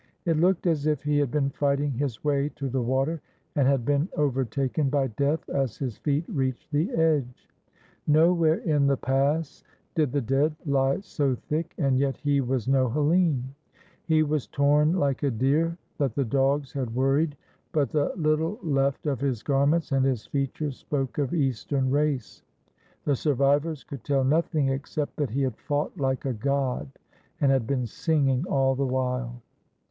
It looked as if he had been fighting his way to the water, and had been overtaken by death as his feet reached the edge. Nowhere in the pass did the dead lie so thick, and yet he was no Hellene. He was torn Hke a deer that the dogs had worried, but the little left of his garments and his features spoke of Eastern race. The survivors could tell nothing except that he had fought like a god, and had been singing all the while.